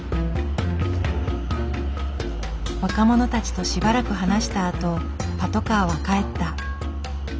若者たちとしばらく話したあとパトカーは帰った。